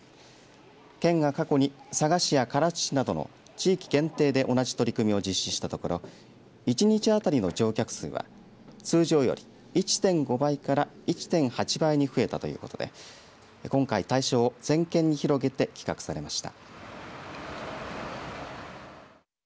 県が過去に佐賀市や唐津市などの地域限定で同じ取り組みを実施したところ１日当たりの乗客数は、通常より１．５倍から１．８倍に増えたということで今回、対象を全県に広げて企画されました。